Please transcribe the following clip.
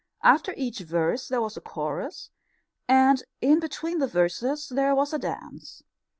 After each verse there was a chorus, and in between the verses there was a dance.